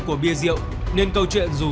của bia rượu nên câu chuyện dù